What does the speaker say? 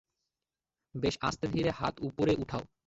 বেশ আস্তে ধীরে হাত উপরে উঠাও!